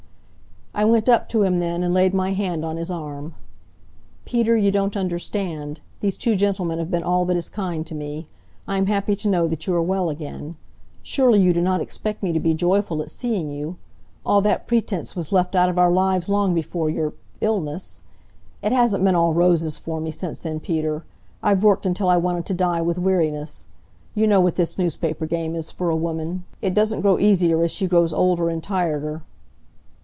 I went up to him then, and laid my hand on his arm. "Peter, you don't understand. These two gentlemen have been all that is kind to me. I am happy to know that you are well again. Surely you do not expect me to be joyful at seeing you. All that pretense was left out of our lives long before your illness. It hasn't been all roses for me since then, Peter. I've worked until I wanted to die with weariness. You know what this newspaper game is for a woman. It doesn't grow easier as she grows older and tireder."